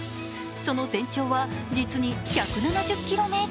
その全長は実に１７０ｋｍ。